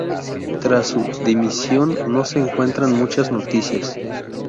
Tras su dimisión no se encuentran muchas noticias.